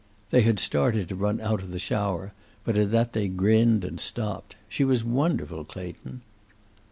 They had started to run out of the shower, but at that they grinned and stopped. She was wonderful, Clayton."